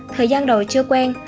thời gian đầu chưa quen